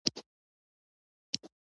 هر څه ته په ټوليزه توګه کتنه کوي.